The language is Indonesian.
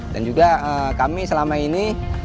dan juga kami selama ini